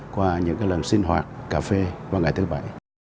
qua những lần sinh hoạt cà phê vào ngày thứ bảy